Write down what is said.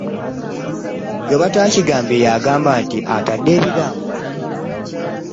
Gwe batakigambye yagamba nti atadde ebigambo .